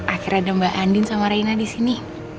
akhirnya ada mbak andin sama reina disini